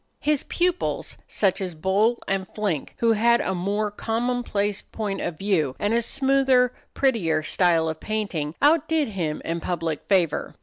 His pupils, such as Bol and Flinck, who had a more commonplace point of view, and a smoother, prettier style of painting, outdid him in public favor.